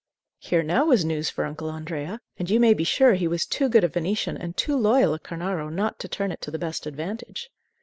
Here now was news for Uncle Andrea. And you may be sure he was too good a Venetian and too loyal a Cornaro not to turn it to the best advantage.